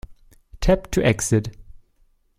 Tap to exit.